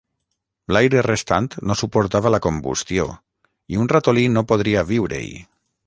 L'aire restant no suportava la combustió, i un ratolí no podria viure-hi.